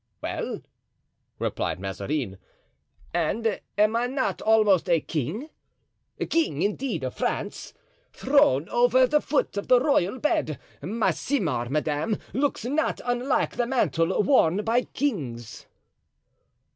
"Well," replied Mazarin, "and am I not almost a king—king, indeed, of France? Thrown over the foot of the royal bed, my simar, madame, looks not unlike the mantle worn by kings."